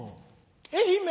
愛媛